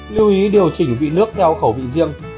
lưu ý điều chỉnh vị nước theo khẩu vị riêng